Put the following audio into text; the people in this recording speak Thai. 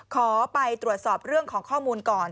ขอไปตรวจสอบเรื่องของข้อมูลก่อน